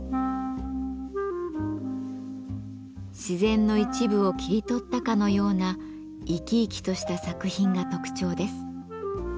自然の一部を切り取ったかのような生き生きとした作品が特徴です。